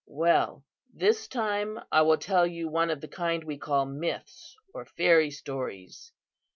"Well, this time I will tell you one of the kind we call myths or fairy stories.